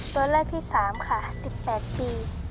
ตัวเลือกที่๓ค่ะ๑๘ปี